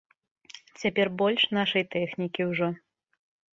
Цяпер больш нашай тэхнікі ўжо.